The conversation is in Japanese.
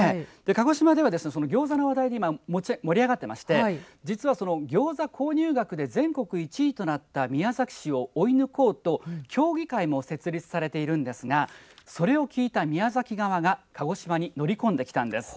鹿児島ではギョーザの話題で盛り上がっていまして実は、そのギョーザ購入額で全国１位となった宮崎市を追い抜こうと協議会も設立されているんですがそれを聞いた宮崎側が鹿児島に乗り込んできたんです。